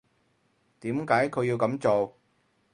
點解佢要噉做？